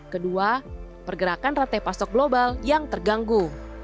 kedua pergerakan rantai pasok global yang terganggu